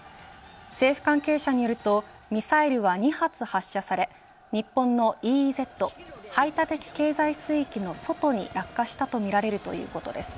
政府関係者によるとミサイルは２発発射され日本のＥＥＺ＝排他的経済水域の外に落下したとみられるということです